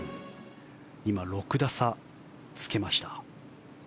今、６打差をつけました。